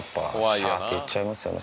「シャ」っていっちゃいますよね